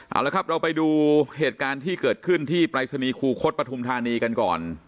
เอาละครับเราไปดูเหตุการณ์ที่เกิดขึ้นที่ปรายศนีย์ครูคศปฐุมธานีกันก่อน